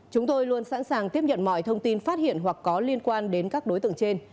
chúng tôi luôn sẵn sàng tiếp nhận mọi thông tin phát hiện hoặc có liên quan đến các đối tượng trên